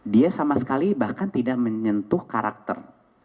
dia sama sekali bahkan tidak menyentuh karakter